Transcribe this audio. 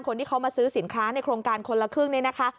คนที่เขามาซื้อสินค้าในโครงการคนละครึ่งเนี่ยนะคะ